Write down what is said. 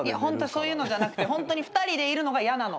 そういうのじゃなくてホントに２人でいるのがやなの。